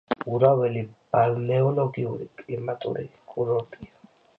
ურაველი ბალნეოლოგიურ-კლიმატური კურორტია.